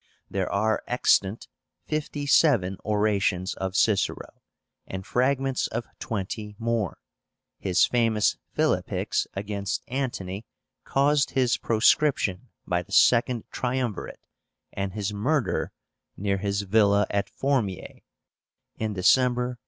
There are extant fifty seven orations of Cicero, and fragments of twenty more. His famous Philippics against Antony caused his proscription by the Second Triumvirate, and his murder near his villa at Formiae, in December, 43.